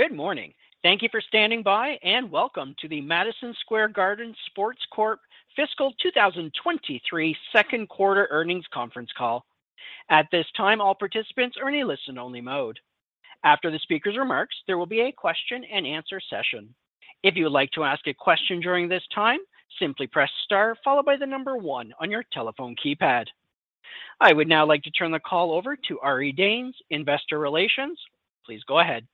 Good morning. Thank you for standing by, welcome to the Madison Square Garden Sports Corp Fiscal 2023 Q2 earnings conference call. At this time, all participants are in a listen only mode. After the speaker's remarks, there will be a question and answer session. If you would like to ask a question during this time, simply press star followed by the 1 on your telephone keypad. I would now like to turn the call over to Ari Danes, Investor Relations. Please go ahead.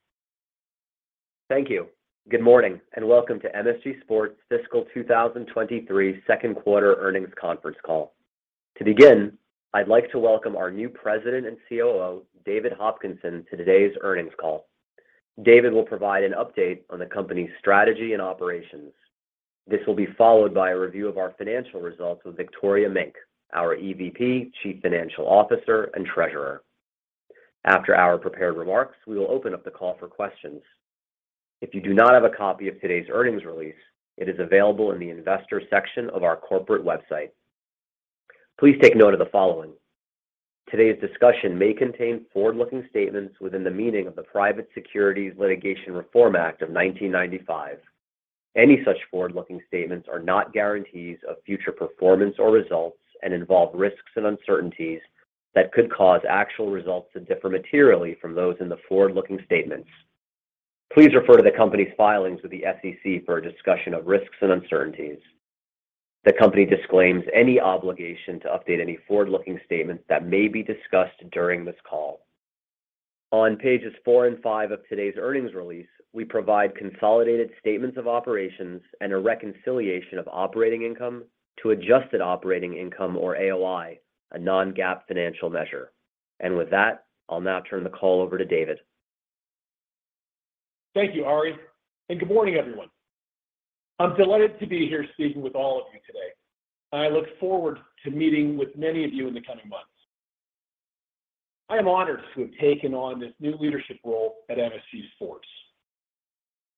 Thank you. Good morning. Welcome to MSG Sports Fiscal 2023 Q2 Earnings Conference Call. To begin, I'd like to welcome our new President and COO, David Hopkinson, to today's earnings call. David will provide an update on the company's strategy and operations. This will be followed by a review of our financial results with Victoria Mink, our EVP, Chief Financial Officer, and Treasurer. After our prepared remarks, we will open up the call for questions. If you do not have a copy of today's earnings release, it is available in the investor section of our corporate website. Please take note of the following. Today's discussion may contain forward-looking statements within the meaning of the Private Securities Litigation Reform Act of 1995. Any such forward-looking statements are not guarantees of future performance or results and involve risks and uncertainties that could cause actual results to differ materially from those in the forward-looking statements. Please refer to the company's filings with the SEC for a discussion of risks and uncertainties. The company disclaims any obligation to update any forward-looking statements that may be discussed during this call. On pages four and five of today's earnings release, we provide consolidated statements of operations and a reconciliation of operating income to adjusted operating income or AOI, a non-GAAP financial measure. With that, I'll now turn the call over to David. Thank you, Ari. Good morning, everyone. I'm delighted to be here speaking with all of you today. I look forward to meeting with many of you in the coming months. I am honored to have taken on this new leadership role at MSG Sports.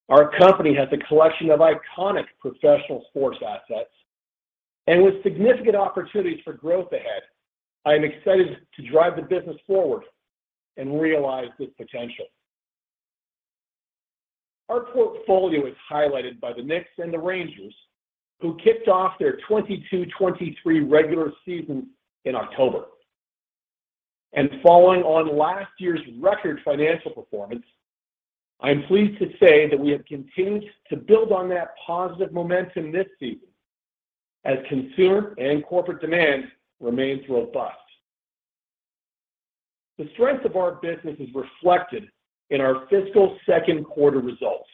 Our company has a collection of iconic professional sports assets, and with significant opportunities for growth ahead, I am excited to drive the business forward and realize this potential. Our portfolio is highlighted by the Knicks and the Rangers who kicked off their 2022-2023 regular season in October. Following on last year's record financial performance, I'm pleased to say that we have continued to build on that positive momentum this season as consumer and corporate demand remains robust. The strength of our business is reflected in our fiscal Q2 results.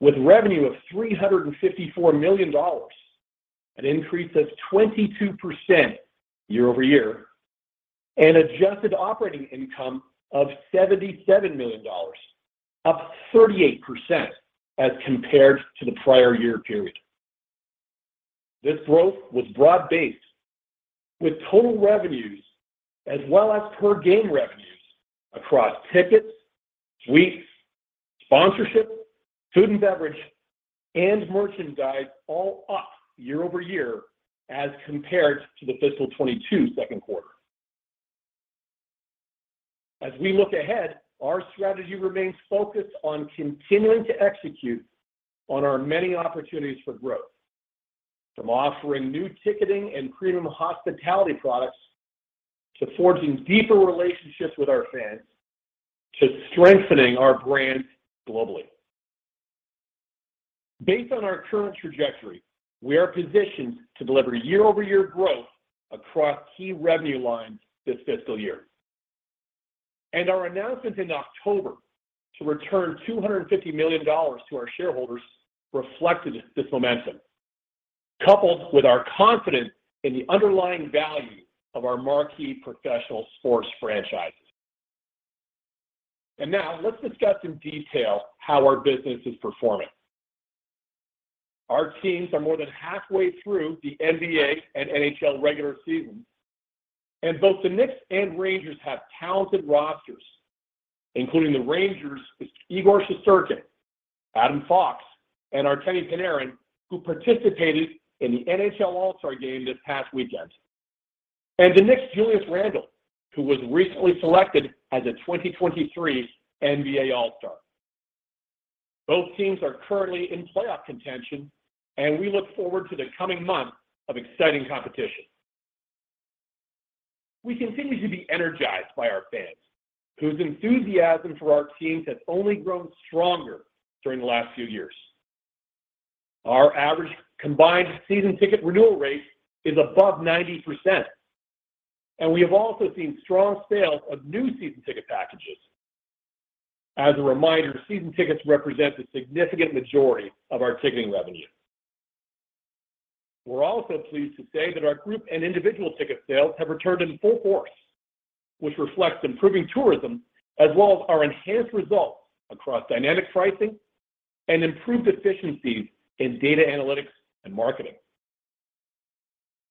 With revenue of $354 million, an increase of 22% year-over-year, and Adjusted Operating Income of $77 million, up 38% as compared to the prior year period. This growth was broad-based with total revenues as well as per game revenues across tickets, suites, sponsorship, food and beverage, and merchandise all up year-over-year as compared to the fiscal 22 Q2. As we look ahead, our strategy remains focused on continuing to execute on our many opportunities for growth, from offering new ticketing and premium hospitality products, to forging deeper relationships with our fans, to strengthening our brands globally. Based on our current trajectory, we are positioned to deliver year-over-year growth across key revenue lines this fiscal year. Our announcement in October to return $250 million to our shareholders reflected this momentum, coupled with our confidence in the underlying value of our marquee professional sports franchises. Now let's discuss in detail how our business is performing. Our teams are more than halfway through the NBA and NHL regular season, and both the Knicks and Rangers have talented rosters, including the Rangers' Igor Shesterkin, Adam Fox, and Artemi Panarin, who participated in the NHL All-Star Game this past weekend. The Knicks' Julius Randle, who was recently selected as a 2023 NBA All-Star. Both teams are currently in playoff contention, and we look forward to the coming months of exciting competition. We continue to be energized by our fans, whose enthusiasm for our teams has only grown stronger during the last few years. Our average combined season ticket renewal rate is above 90%, and we have also seen strong sales of new season ticket packages. As a reminder, season tickets represent the significant majority of our ticketing revenue. We're also pleased to say that our group and individual ticket sales have returned in full force, which reflects improving tourism as well as our enhanced results across dynamic pricing and improved efficiencies in data analytics and marketing.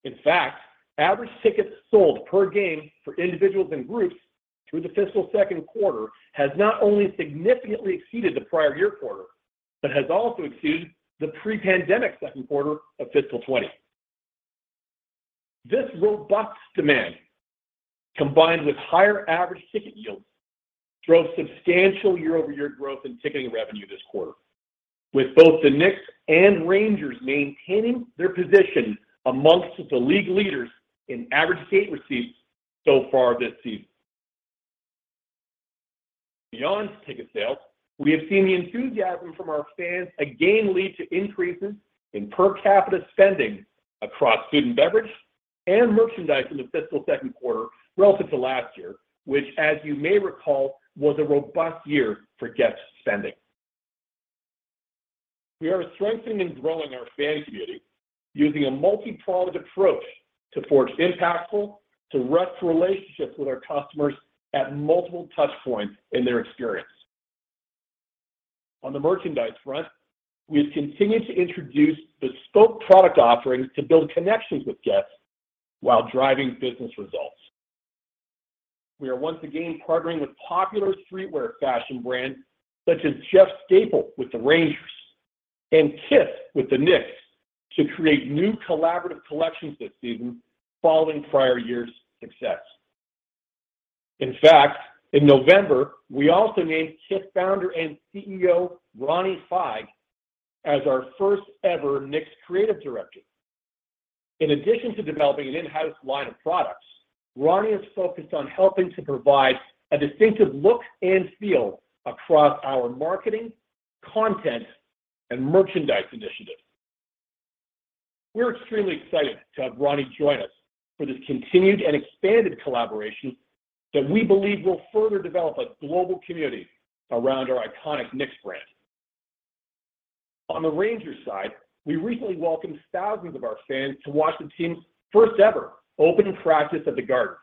In fact, average tickets sold per game for individuals and groups through the fiscal Q2 has not only significantly exceeded the prior year quarter but has also exceeded the pre-pandemic Q2 of fiscal 2020. This robust demand, combined with higher average ticket yields, drove substantial year-over-year growth in ticketing revenue this quarter, with both the Knicks and Rangers maintaining their position amongst the league leaders in average gate receipts so far this season. Beyond ticket sales, we have seen the enthusiasm from our fans again lead to increases in per capita spending across food and beverage and merchandise in the fiscal Q2 relative to last year, which as you may recall, was a robust year for guest spending. We are strengthening and growing our fan community using a multi-pronged approach to forge impactful, direct relationships with our customers at multiple touch points in their experience. On the merchandise front, we have continued to introduce bespoke product offerings to build connections with guests while driving business results. We are once again partnering with popular streetwear fashion brands such as Jeff Staple with the Rangers and Kith with the Knicks to create new collaborative collections this season following prior year's success. In fact, in November, we also named Kith founder and CEO, Ronnie Fieg, as our first ever Knicks Creative Director. In addition to developing an in-house line of products, Ronnie is focused on helping to provide a distinctive look and feel across our marketing, content, and merchandise initiatives. We're extremely excited to have Ronnie join us for this continued and expanded collaboration that we believe will further develop a global community around our iconic Knicks brand. On the Rangers side, we recently welcomed thousands of our fans to watch the team's first ever opening practice at the Garden,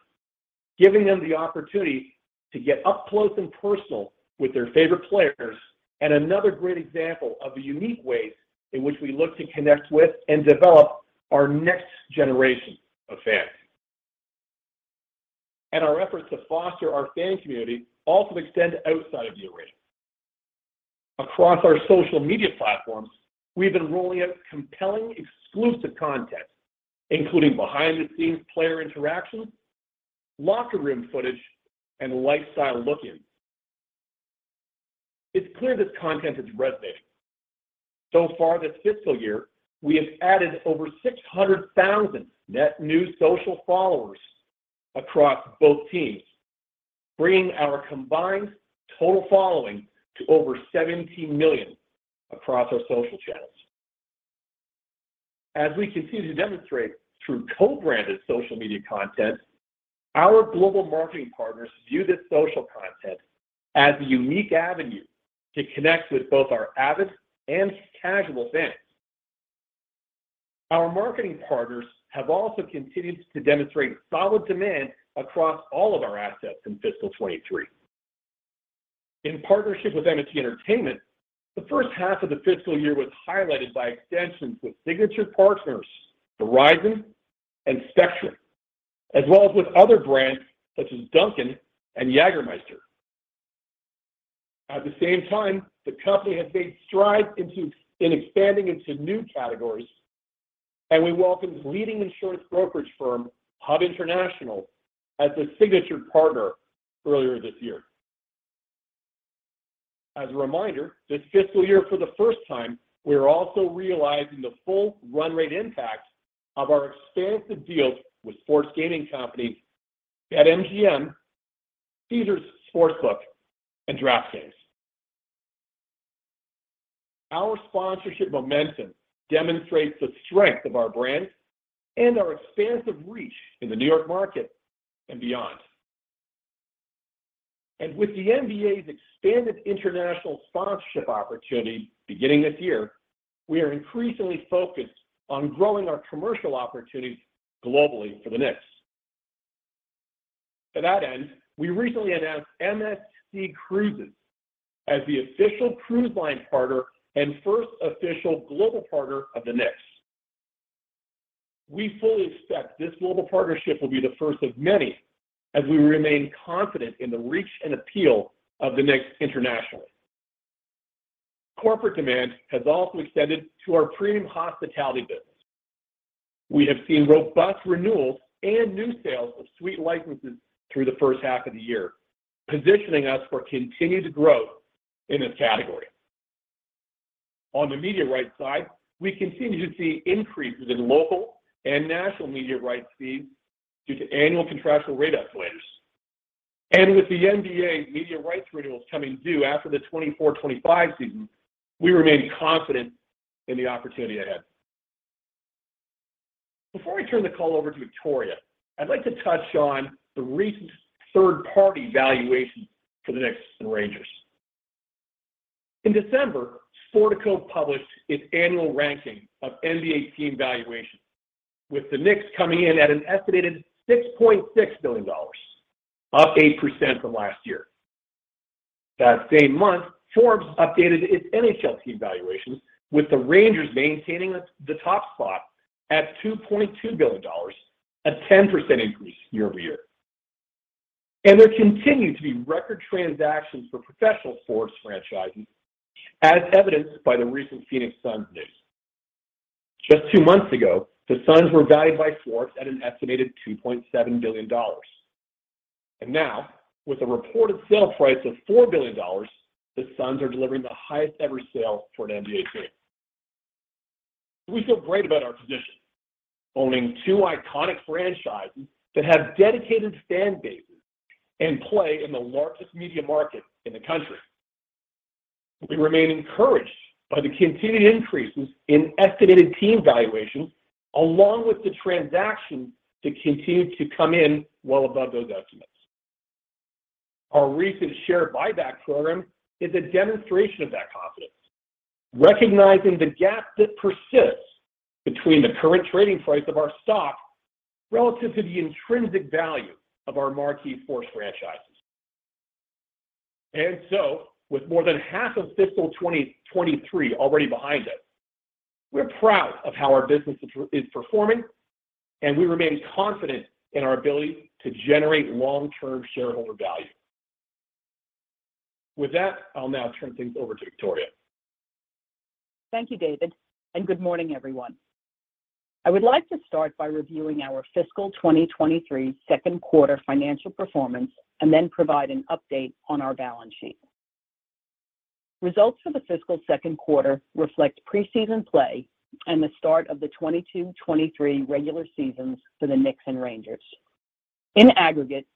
giving them the opportunity to get up close and personal with their favorite players. Another great example of the unique ways in which we look to connect with and develop our next generation of fans. Our efforts to foster our fan community also extend outside of the arena. Across our social media platforms, we've been rolling out compelling exclusive content, including behind-the-scenes player interactions, locker room footage, and lifestyle look-ins. It's clear this content is resonating. So far this fiscal year, we have added over 600,000 net new social followers across both teams, bringing our combined total following to over 17 million across our social channels. As we continue to demonstrate through co-branded social media content, our global marketing partners view this social content as a unique avenue to connect with both our avid and casual fans. Our marketing partners have also continued to demonstrate solid demand across all of our assets in fiscal '23. In partnership with MSG Entertainment, the first half of the fiscal year was highlighted by extensions with signature partners Verizon and Spectrum, as well as with other brands such as Dunkin' and Jägermeister. At the same time, the company has made strides into expanding into new categories, and we welcomed leading insurance brokerage firm, Hub International, as a signature partner earlier this year. As a reminder, this fiscal year for the first time, we are also realizing the full run rate impact of our expansive deals with sports gaming companies BetMGM, Caesars Sportsbook, and DraftKings. Our sponsorship momentum demonstrates the strength of our brand and our expansive reach in the New York market and beyond. With the NBA's expanded international sponsorship opportunity beginning this year, we are increasingly focused on growing our commercial opportunities globally for the Knicks. To that end, we recently announced MSC Cruises as the official cruise line partner and first official global partner of the Knicks. We fully expect this global partnership will be the first of many as we remain confident in the reach and appeal of the Knicks internationally. Corporate demand has also extended to our premium hospitality business. We have seen robust renewals and new sales of suite licenses through the first half of the year, positioning us for continued growth in this category. On the media rights side, we continue to see increases in local and national media rights fees due to annual contractual rate uplifts. With the NBA media rights renewals coming due after the 2024-2025 season, we remain confident in the opportunity ahead. Before I turn the call over to Victoria, I'd like to touch on the recent third-party valuations for the Knicks and Rangers. In December, Sportico published its annual ranking of NBA team valuations, with the Knicks coming in at an estimated $6.6 billion, up 8% from last year. That same month, Forbes updated its NHL team valuations, with the Rangers maintaining the top spot at $2.2 billion, a 10% increase year-over-year. There continue to be record transactions for professional sports franchises, as evidenced by the recent Phoenix Suns news. Just two months ago, the Suns were valued by Forbes at an estimated $2.7 billion. Now, with a reported sale price of $4 billion, the Suns are delivering the highest-ever sale for an NBA team. We feel great about our position, owning two iconic franchises that have dedicated fan bases and play in the largest media market in the country. We remain encouraged by the continued increases in estimated team valuations along with the transactions that continue to come in well above those estimates. Our recent share buyback program is a demonstration of that confidence. Recognizing the gap that persists between the current trading price of our stock relative to the intrinsic value of our marquee sports franchises. With more than half of fiscal 2023 already behind us, we're proud of how our business is performing, and we remain confident in our ability to generate long-term shareholder value. With that, I'll now turn things over to Victoria. Thank you, David. Good morning, everyone. I would like to start by reviewing our fiscal 2023 Q2 financial performance and then provide an update on our balance sheet. Results for the fiscal Q2 reflect preseason play and the start of the 2023 regular seasons for the Knicks and Rangers. In aggregate,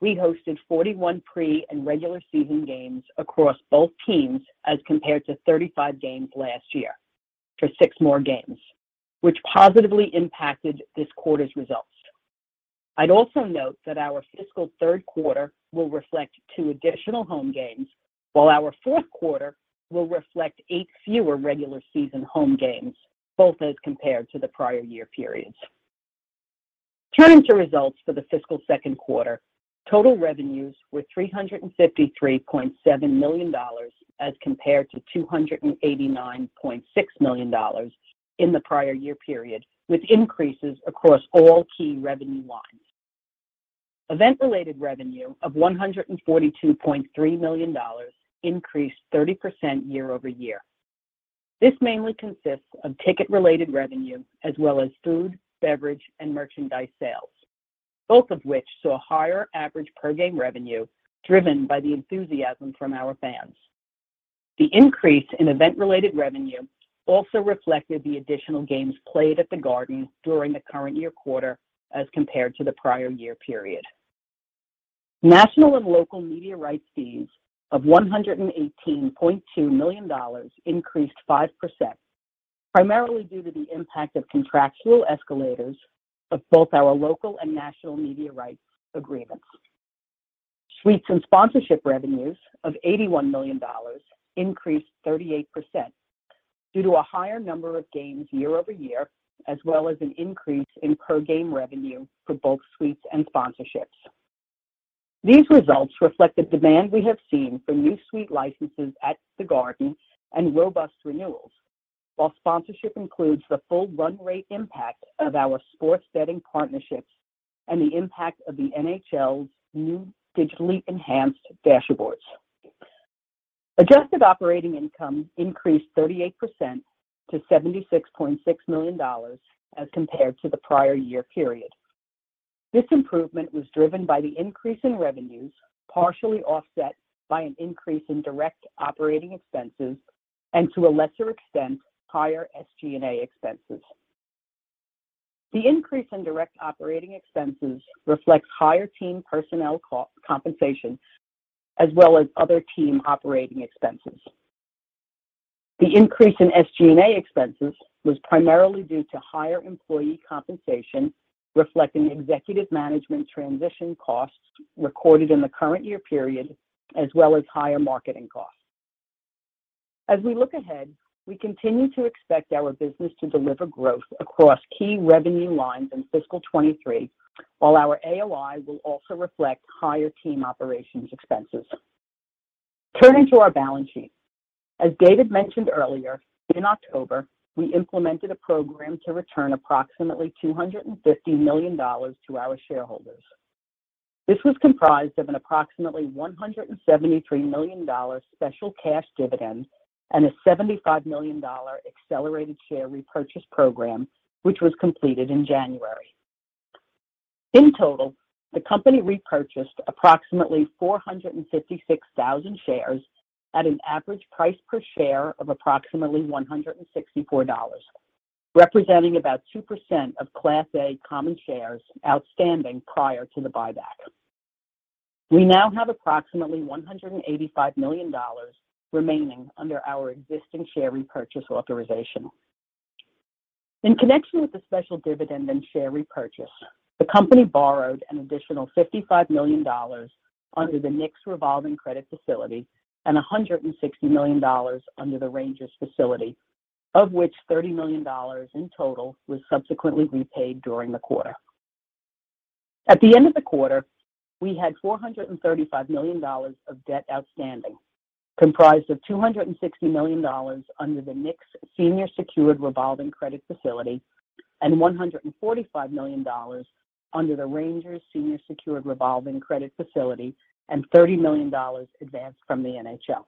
we hosted 41 pre and regular season games across both teams as compared to 35 games last year for 6 more games, which positively impacted this quarter's results. I'd also note that our fiscal Q3 will reflect 2 additional home games, while our fourth quarter will reflect 8 fewer regular season home games, both as compared to the prior year periods. Turning to results for the fiscal Q2, total revenues were $353.7 million as compared to $289.6 million in the prior year period, with increases across all key revenue lines. Event-related revenue of $142.3 million increased 30% year-over-year. This mainly consists of ticket-related revenue as well as food, beverage, and merchandise sales, both of which saw higher average per game revenue driven by the enthusiasm from our fans. The increase in event-related revenue also reflected the additional games played at The Garden during the current year quarter as compared to the prior year period. National and local media rights fees of $118.2 million increased 5%, primarily due to the impact of contractual escalators of both our local and national media rights agreements. Suites and sponsorship revenues of $81 million increased 38% due to a higher number of games year-over-year, as well as an increase in per game revenue for both suites and sponsorships. These results reflect the demand we have seen for new suite licenses at The Garden and robust renewals. While sponsorship includes the full run rate impact of our sports betting partnerships and the impact of the NHL's new Digitally Enhanced Dasherboards. Adjusted operating income increased 38% to $76.6 million as compared to the prior year period. This improvement was driven by the increase in revenues, partially offset by an increase in direct operating expenses and to a lesser extent, higher SG&A expenses. The increase in direct operating expenses reflects higher team personnel co-compensation as well as other team operating expenses. The increase in SG&A expenses was primarily due to higher employee compensation, reflecting executive management transition costs recorded in the current year period, as well as higher marketing costs. We continue to expect our business to deliver growth across key revenue lines in fiscal 23, while our AOI will also reflect higher team operations expenses. Turning to our balance sheet. David mentioned earlier, in October, we implemented a program to return approximately $250 million to our shareholders. This was comprised of an approximately $173 million special cash dividend and a $75 million accelerated share repurchase program, which was completed in January. In total, the company repurchased approximately 456,000 shares at an average price per share of approximately $164, representing about 2% of Class A common shares outstanding prior to the buyback. We now have approximately $185 million remaining under our existing share repurchase authorization. In connection with the special dividend and share repurchase, the company borrowed an additional $55 million under the Knicks revolving credit facility and $160 million under the Rangers facility, of which $30 million in total was subsequently repaid during the quarter. At the end of the quarter, we had $435 million of debt outstanding, comprised of $260 million under the Knicks senior secured revolving credit facility, $145 million under the Rangers senior secured revolving credit facility and $30 million advanced from the NHL.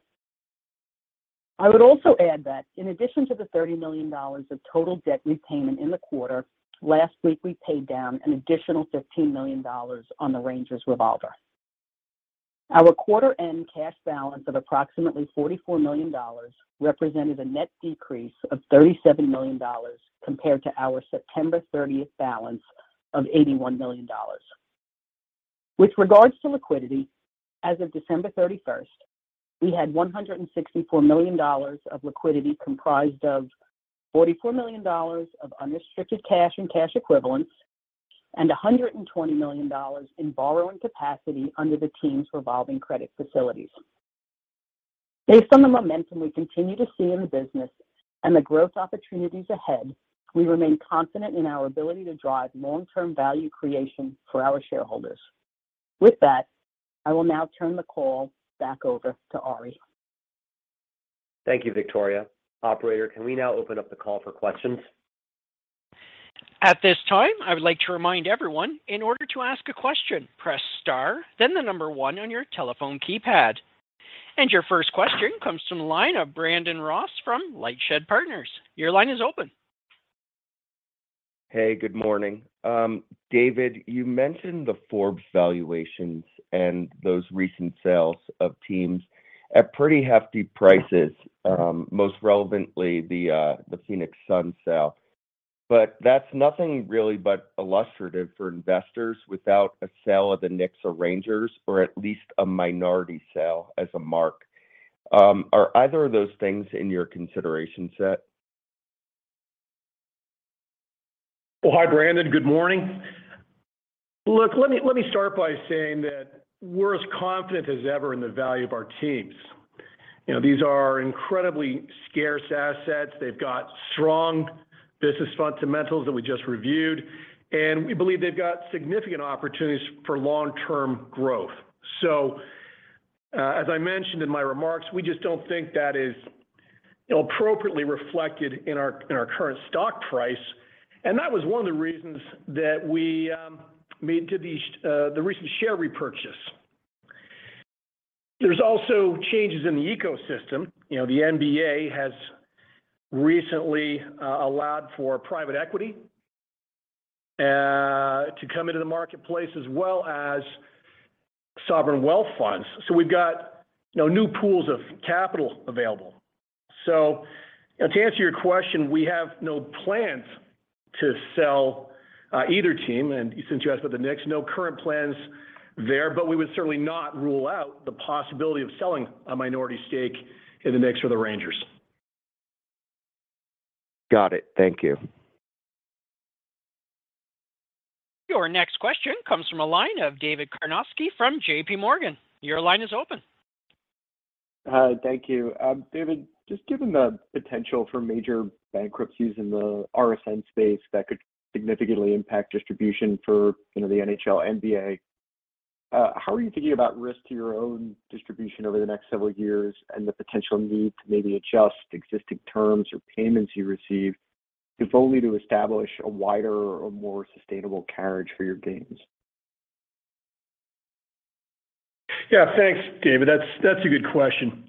I would also add that in addition to the $30 million of total debt repayment in the quarter, last week, we paid down an additional $15 million on the Rangers revolver. Our quarter-end cash balance of approximately $44 million represented a net decrease of $37 million compared to our September30th balance of $81 million. With regards to liquidity, as of December 31st, we had $164 million of liquidity comprised of $44 million of unrestricted cash and cash equivalents and $120 million in borrowing capacity under the team's revolving credit facilities. Based on the momentum we continue to see in the business and the growth opportunities ahead, we remain confident in our ability to drive long-term value creation for our shareholders. With that, I will now turn the call back over to Ari. Thank you, Victoria. Operator, can we now open up the call for questions? At this time, I would like to remind everyone in order to ask a question, press star then the number one on your telephone keypad. Your first question comes from the line of Brandon Ross from Lightshed Partners. Your line is open. Hey, good morning. David, you mentioned the Forbes valuations and those recent sales of teams at pretty hefty prices, most relevantly the Phoenix Suns sale. But that's nothing really but illustrative for investors without a sale of the Knicks or Rangers, or at least a minority sale as a mark. Are either of those things in your consideration set? Hi, Brandon Ross. Good morning. Let me start by saying that we're as confident as ever in the value of our teams. You know, these are incredibly scarce assets. They've got strong business fundamentals that we just reviewed, and we believe they've got significant opportunities for long-term growth. As I mentioned in my remarks, we just don't think that is appropriately reflected in our current stock price. That was one of the reasons that we made to these, the recent share repurchase. There's also changes in the ecosystem. You know, the NBA has recently allowed for private equity to come into the marketplace as well as sovereign wealth funds. We've got new pools of capital available. To answer your question, we have no plans to sell either team. Since you asked about the Knicks, no current plans there, but we would certainly not rule out the possibility of selling a minority stake in the Knicks or the Rangers. Got it. Thank you. Your next question comes from a line of David Karnovsky from JPMorgan. Your line is open. Hi, thank you. David, just given the potential for major bankruptcies in the RSN space that could significantly impact distribution for, you know, the NHL, NBA, how are you thinking about risk to your own distribution over the next several years and the potential need to maybe adjust existing terms or payments you receive, if only to establish a wider or more sustainable carriage for your games? Thanks, David. That's a good question.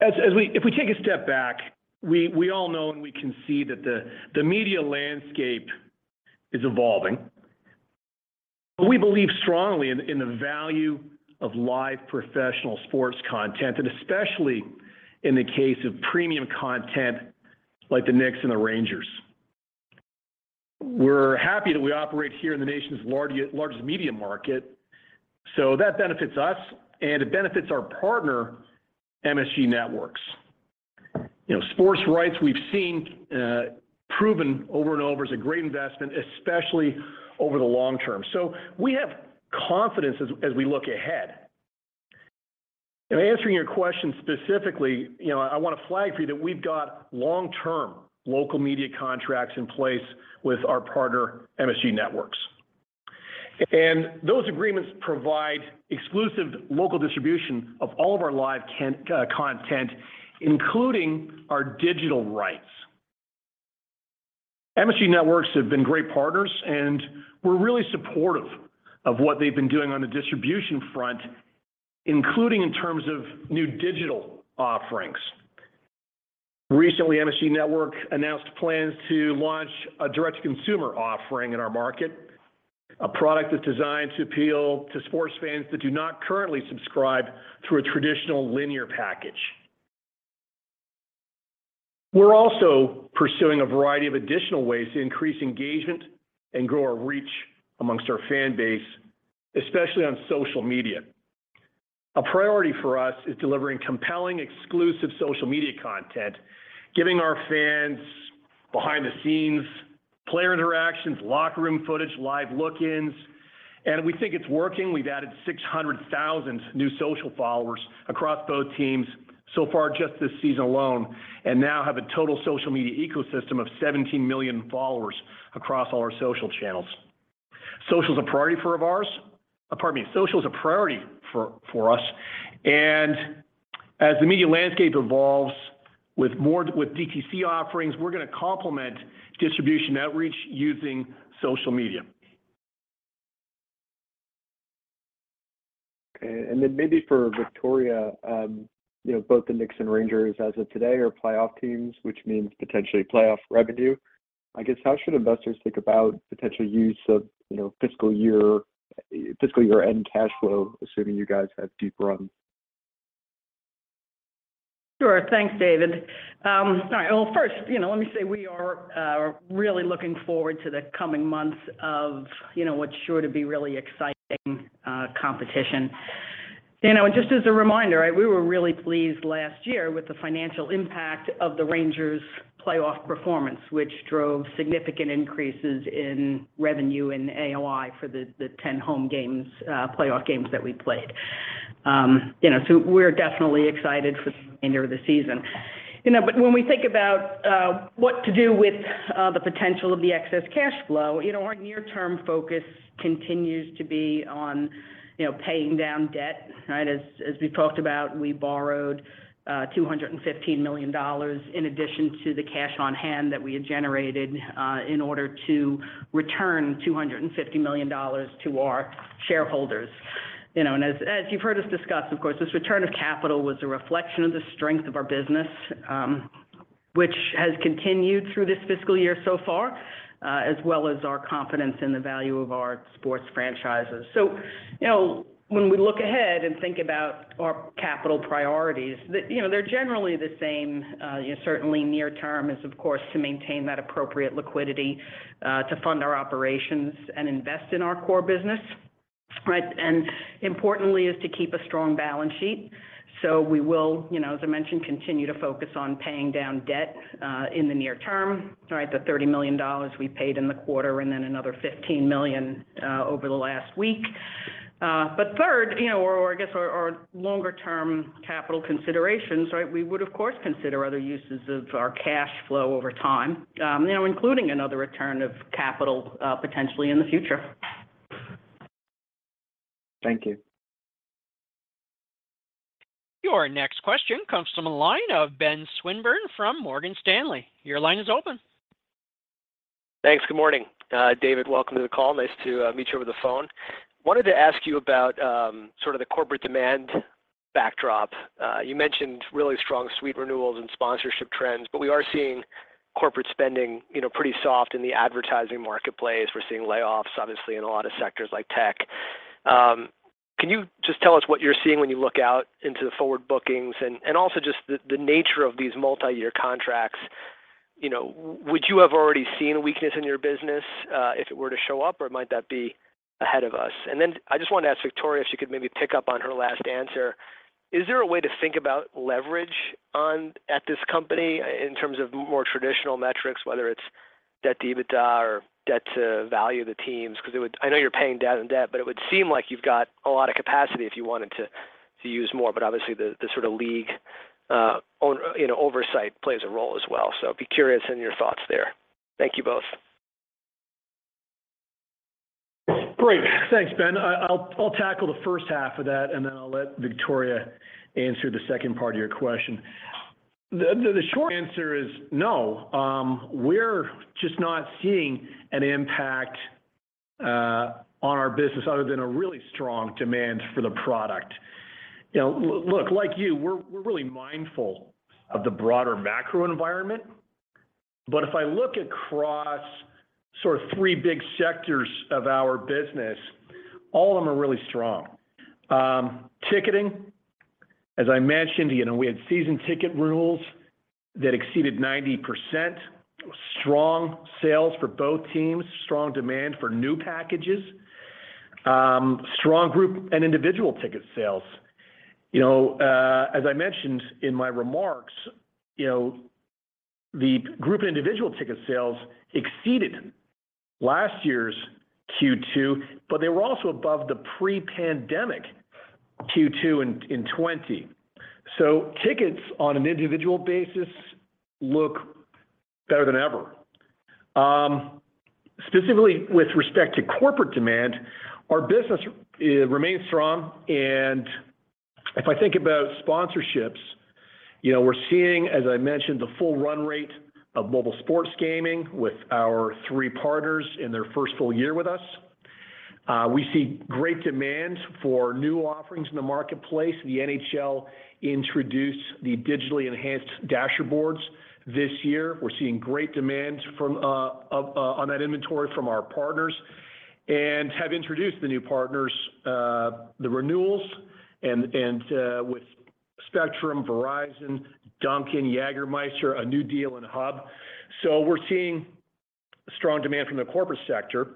If we take a step back, we all know and we can see that the media landscape is evolving. We believe strongly in the value of live professional sports content, and especially in the case of premium content like the Knicks and the Rangers. We're happy that we operate here in the nation's largest media market. That benefits us, and it benefits our partner, MSG Networks. You know, sports rights we've seen proven over and over is a great investment, especially over the long term. We have confidence as we look ahead. In answering your question specifically, you know, I want to flag for you that we've got long-term local media contracts in place with our partner, MSG Networks. Those agreements provide exclusive local distribution of all of our live content, including our digital rights. MSG Networks have been great partners, and we're really supportive of what they've been doing on the distribution front, including in terms of new digital offerings. Recently, MSG Network announced plans to launch a direct-to-consumer offering in our market, a product that's designed to appeal to sports fans that do not currently subscribe through a traditional linear package. We're also pursuing a variety of additional ways to increase engagement and grow our reach amongst our fan base, especially on social media. A priority for us is delivering compelling exclusive social media content, giving our fans behind-the-scenes player interactions, locker room footage, live look-ins. We think it's working. We've added 600,000 new social followers across both teams so far just this season alone, and now have a total social media ecosystem of 17 million followers across all our social channels. Social is a priority for of ours. Pardon me, social is a priority for us. As the media landscape evolves with DTC offerings, we're gonna complement distribution outreach using social media. Okay. Maybe for Victoria, you know, both the Knicks and Rangers as of today are playoff teams, which means potentially playoff revenue. I guess, how should investors think about potential use of, you know, fiscal year, fiscal year-end cash flow, assuming you guys have deep runs? Sure. Thanks, David. All right. First, you know, let me say we are really looking forward to the coming months of, you know, what's sure to be really exciting competition. Just as a reminder, we were really pleased last year with the financial impact of the Rangers' playoff performance, which drove significant increases in revenue and AOI for the 10 home games playoff games that we played. We're definitely excited for the remainder of the season. When we think about what to do with the potential of the excess cash flow, you know, our near-term focus continues to be on, you know, paying down debt, right? As we talked about, we borrowed $215 million in addition to the cash on hand that we had generated in order to return $250 million to our shareholders. You know, as you've heard us discuss, of course, this return of capital was a reflection of the strength of our business, which has continued through this fiscal year so far, as well as our confidence in the value of our sports franchises. You know, when we look ahead and think about our capital priorities, you know, they're generally the same. Certainly near term is, of course, to maintain that appropriate liquidity to fund our operations and invest in our core business, right? Importantly is to keep a strong balance sheet. We will, you know, as I mentioned, continue to focus on paying down debt in the near term. The $30 million we paid in the quarter and then another $15 million over the last week. Third, you know, or I guess our longer term capital considerations. We would, of course, consider other uses of our cash flow over time, you know, including another return of capital potentially in the future. Thank you. Your next question comes from the line of Ben Swinburne from Morgan Stanley. Your line is open. Thanks. Good morning. David, welcome to the call. Nice to meet you over the phone. Wanted to ask you about sort of the corporate demand backdrop. You mentioned really strong suite renewals and sponsorship trends, but we are seeing corporate spending, you know, pretty soft in the advertising marketplace. We're seeing layoffs, obviously, in a lot of sectors like tech. Can you just tell us what you're seeing when you look out into the forward bookings and also just the nature of these multi-year contracts? You know, would you have already seen weakness in your business if it were to show up or might that be ahead of us? Then I just wanted to ask Victoria if she could maybe pick up on her last answer. Is there a way to think about leverage at this company in terms of more traditional metrics, whether it's debt to EBITDA or debt to value the teams? 'Cause I know you're paying down debt, but it would seem like you've got a lot of capacity if you wanted to use more. Obviously, the sort of league, you know, oversight plays a role as well. I'd be curious in your thoughts there. Thank you both. Great. Thanks, Ben. I'll tackle the first half of that. Then I'll let Victoria answer the second part of your question. The short answer is no. We're just not seeing an impact on our business other than a really strong demand for the product. You know, look, like you, we're really mindful of the broader macro environment. If I look across sort of three big sectors of our business, all of them are really strong. Ticketing, as I mentioned, you know, we had season ticket renewals that exceeded 90%. Strong sales for both teams. Strong demand for new packages. Strong group and individual ticket sales. You know, as I mentioned in my remarks, you know, the group individual ticket sales exceeded last year's Q2. They were also above the pre-pandemic Q2 in 2020. Tickets on an individual basis look better than ever. Specifically with respect to corporate demand, our business remains strong. If I think about sponsorships, you know, we're seeing, as I mentioned, the full run rate of mobile sports gaming with our 3 partners in their first full year with us. We see great demand for new offerings in the marketplace. The NHL introduced the Digitally Enhanced Dasherboards this year. We're seeing great demand from on that inventory from our partners and have introduced the new partners, the renewals and with Spectrum, Verizon, Dunkin', Jägermeister, a new deal in HUB. We're seeing strong demand from the corporate sector.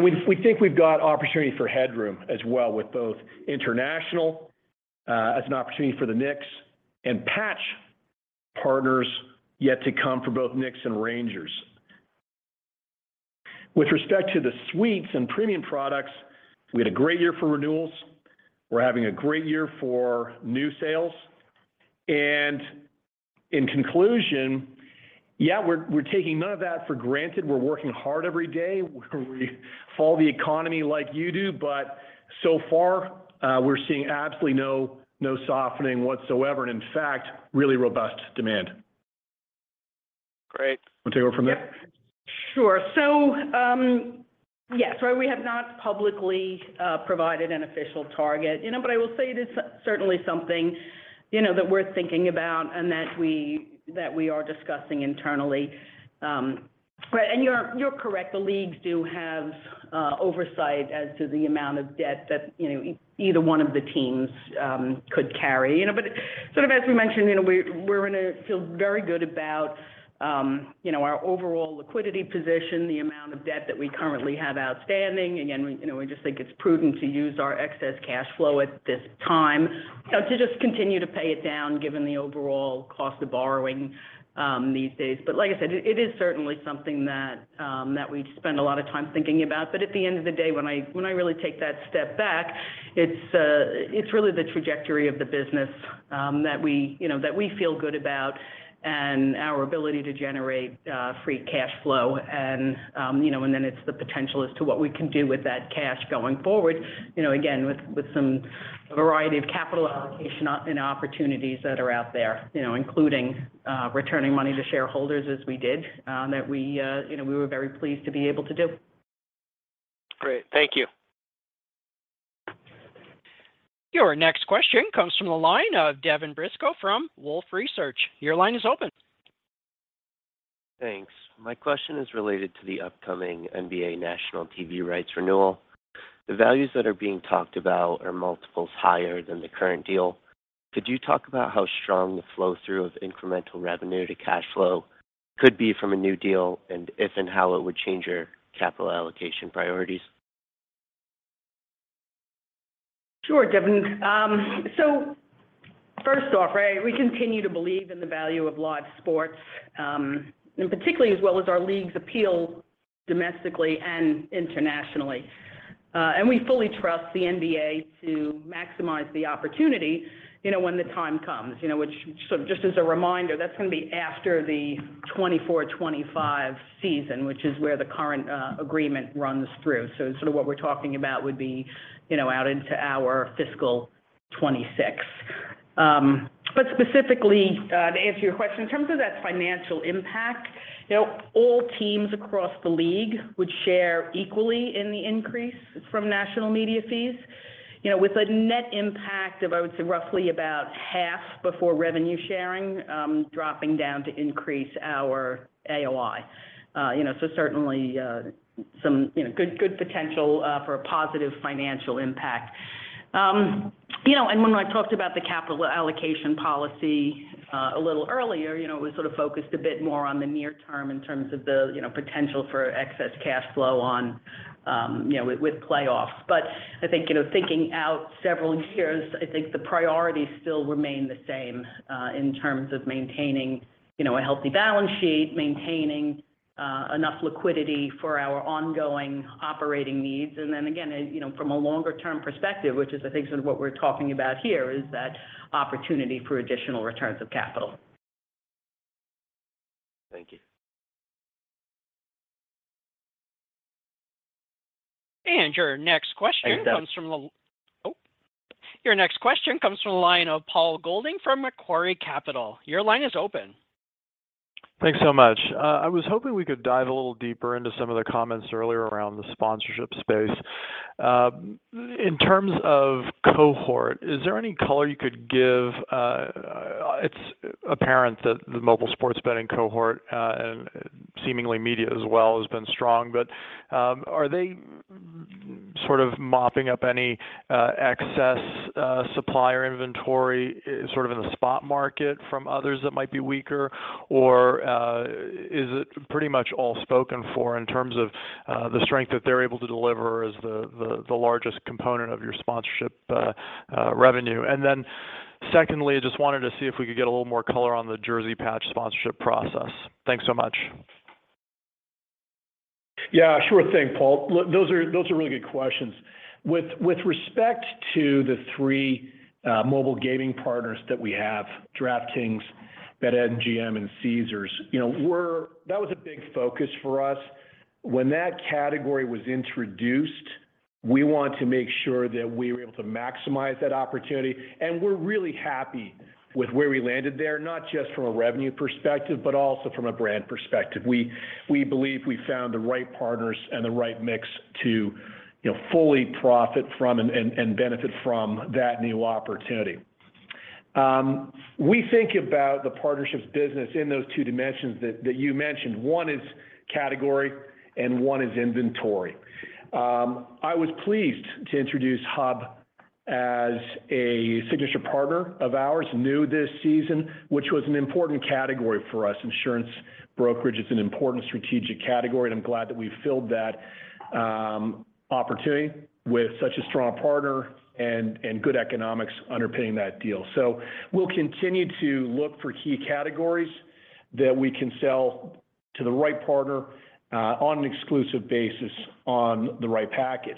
We think we've got opportunity for headroom as well with both international as an opportunity for the Knicks and patch partners yet to come for both Knicks and Rangers. With respect to the suites and premium products, we had a great year for renewals. We're having a great year for new sales. In conclusion, we're taking none of that for granted. We're working hard every day. We follow the economy like you do, but so far, we're seeing absolutely no softening whatsoever, and in fact, really robust demand. Great. Wanna take over from there? Yep. Sure. Yes. We have not publicly provided an official target, you know, but I will say it is certainly something, you know, that we're thinking about and that we are discussing internally. Right, you're correct, the leagues do have oversight as to the amount of debt that, you know, either one of the teams could carry. You know, sort of, as we mentioned, you know, we feel very good about, you know, our overall liquidity position, the amount of debt that we currently have outstanding. Again, we, you know, we just think it's prudent to use our excess cash flow at this time, so to just continue to pay it down given the overall cost of borrowing these days. Like I said, it is certainly something that we spend a lot of time thinking about. At the end of the day, when I, when I really take that step back, it's really the trajectory of the business that we, you know, that we feel good about and our ability to generate free cash flow and, you know, and then it's the potential as to what we can do with that cash going forward, you know, again, with some variety of capital allocation and opportunities that are out there, you know, including returning money to shareholders as we did, that we, you know, we were very pleased to be able to do. Great. Thank you. Your next question comes from the line of Devin Brisco from Wolfe Research. Your line is open. Thanks. My question is related to the upcoming NBA national TV rights renewal. The values that are being talked about are multiples higher than the current deal. Could you talk about how strong the flow through of incremental revenue to cash flow could be from a new deal and if and how it would change your capital allocation priorities? Sure, Devin. First off, right, we continue to believe in the value of live sports, and particularly as well as our league's appeal domestically and internationally. We fully trust the NBA to maximize the opportunity, you know, when the time comes. You know, which sort of just as a reminder, that's gonna be after the 2024, 2025 season, which is where the current agreement runs through. Sort of what we're talking about would be, you know, out into our fiscal 2026. Specifically, to answer your question, in terms of that financial impact, you know, all teams across the league would share equally in the increase from national media fees. You know, with a net impact of, I would say, roughly about half before revenue sharing, dropping down to increase our AOI. You know, certainly, some, you know, good potential for a positive financial impact. You know, when I talked about the capital allocation policy a little earlier, you know, it was sort of focused a bit more on the near term in terms of the, you know, potential for excess cash flow on, you know, with playoffs. I think, you know, thinking out several years, I think the priorities still remain the same in terms of maintaining, you know, a healthy balance sheet, maintaining enough liquidity for our ongoing operating needs. Again, you know, from a longer term perspective, which is I think sort of what we're talking about here, is that opportunity for additional returns of capital. Thank you. Your next question. Thanks, Devin. Your next question comes from the line of Paul Golding from Macquarie Capital. Your line is open. Thanks so much. I was hoping we could dive a little deeper into some of the comments earlier around the sponsorship space. In terms of cohort, is there any color you could give? It's apparent that the mobile sports betting cohort and seemingly media as well, has been strong. Are they sort of mopping up any excess supplier inventory sort of in the spot market from others that might be weaker? Is it pretty much all spoken for in terms of the strength that they're able to deliver as the largest component of your sponsorship revenue? Secondly, I just wanted to see if we could get a little more color on the jersey patch sponsorship process. Thanks so much. Yeah, sure thing, Paul. Look, those are really good questions. With respect to the 3 mobile gaming partners that we have, DraftKings, BetMGM, and Caesars, you know, that was a big focus for us. When that category was introduced, we wanted to make sure that we were able to maximize that opportunity. We're really happy with where we landed there, not just from a revenue perspective, but also from a brand perspective. We believe we found the right partners and the right mix to, you know, fully profit from and benefit from that new opportunity. We think about the partnerships business in those 2 dimensions that you mentioned. 1 is category and 1 is inventory. I was pleased to introduce Hub as a signature partner of ours new this season, which was an important category for us. Insurance brokerage is an important strategic category, and I'm glad that we filled that opportunity with such a strong partner and good economics underpinning that deal. We'll continue to look for key categories that we can sell to the right partner on an exclusive basis on the right package.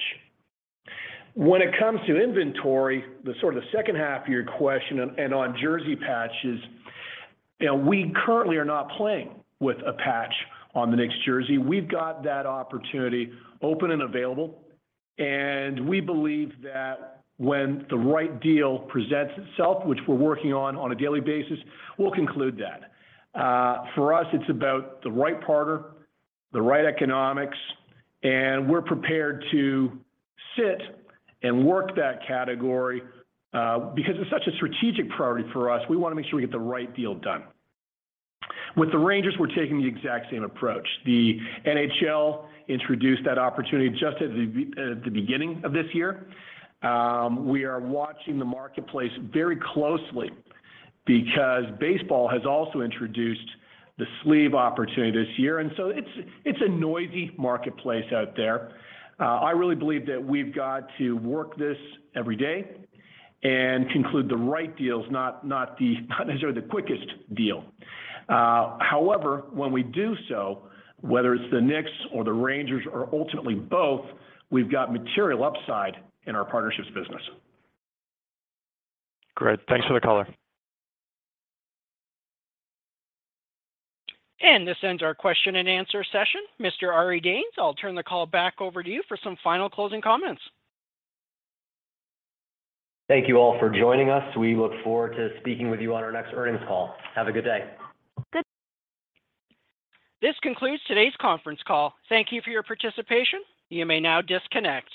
When it comes to inventory, the sort of the second half of your question and on jersey patches, you know, we currently are not playing with a patch on the Knicks jersey. We've got that opportunity open and available, and we believe that when the right deal presents itself, which we're working on on a daily basis, we'll conclude that. For us, it's about the right partner, the right economics, and we're prepared to sit and work that category because it's such a strategic priority for us. We wanna make sure we get the right deal done. With the Rangers, we're taking the exact same approach. The NHL introduced that opportunity just at the beginning of this year. We are watching the marketplace very closely because baseball has also introduced the sleeve opportunity this year. It's a noisy marketplace out there. I really believe that we've got to work this every day and conclude the right deals, not necessarily the quickest deal. However, when we do so, whether it's the Knicks or the Rangers or ultimately both, we've got material upside in our partnerships business. Great. Thanks for the color. This ends our question and answer session. Mr. Ari Danes, I'll turn the call back over to you for some final closing comments. Thank you all for joining us. We look forward to speaking with you on our next earnings call. Have a good day. Good- This concludes today's conference call. Thank you for your participation. You may now disconnect.